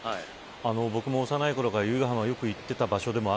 僕も幼いころから由比ガ浜はよく行っていました。